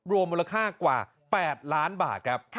รวมมูลค่ากว่า๘ล้านบาทครับ